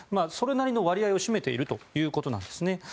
それなりの割合を占めているということです。